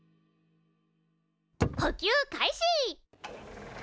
補給開始！